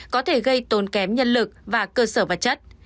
có thể gây tốn kém nhân lực và cơ sở vật chất